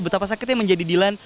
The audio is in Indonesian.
betapa sakitnya menjadi dilan